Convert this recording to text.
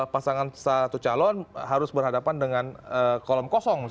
pasangan satu calon harus berhadapan dengan kolom kosong